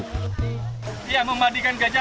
ya memandikan gajah bisa menjadi sebuah perhatian